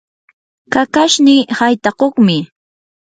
kakashnii haytakuqmi.